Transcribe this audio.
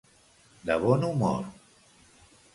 De bon humor.